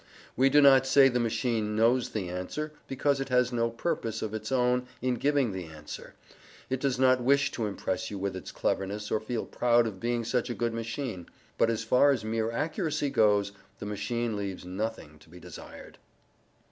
We do not say the machine KNOWS the answer, because it has no purpose of its own in giving the answer: it does not wish to impress you with its cleverness, or feel proud of being such a good machine. But as far as mere accuracy goes, the machine leaves nothing to be desired.